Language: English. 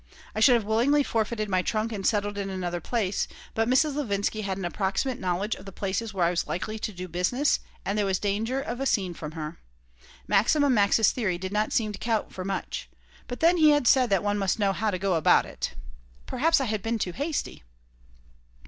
I should have willingly forfeited my trunk and settled in another place, but Mrs. Levinsky had an approximate knowledge of the places where I was likely to do business and there was the danger of a scene from her. Maximum Max's theory did not seem to count for much. But then he had said that one must know "how to go about it." Perhaps I had been too hasty.